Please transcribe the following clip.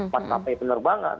pada sampai penerbangan